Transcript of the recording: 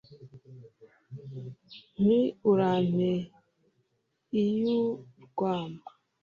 nti : urampe iy'urwamo